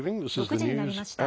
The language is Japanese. ６時になりました。